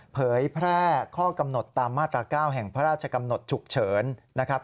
เผยแพร่ข้อกำหนดตามมาตรา๙แห่งพระราชกำหนดฉุกเฉินนะครับ